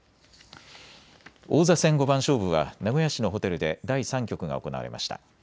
王座戦五番勝負は名古屋市のホテルで第３局が行われました。